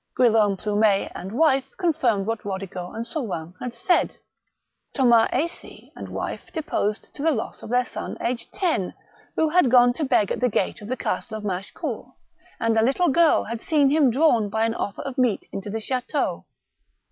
Guillaume Plumet and wife confirmed what Bodigo and Sorain had said. Thomas Ays6e and wife deposed to the loss of their son, aged ten, who had gone to beg at the gate of the castle of Machecoul ; and a little girl had seen him drawn by an offer of meat into the chateau.